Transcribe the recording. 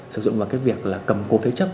sử dụng vào việc cầm cột lấy chấp